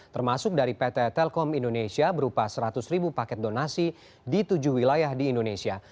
termasuk dari pt telkom indonesia berupa seratus ribu paket donasi di tujuh wilayah di indonesia